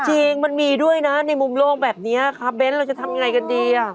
จริงมันมีด้วยนะในมุมโลกแบบนี้ครับเบ้นเราจะทำยังไงกันดีอ่ะ